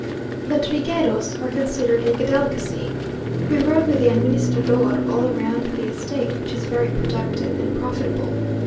The trigueros are considered a delicacy. We rode with the administrador all round the estate, which is very productive and profitable.